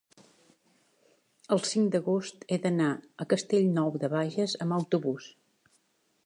el cinc d'agost he d'anar a Castellnou de Bages amb autobús.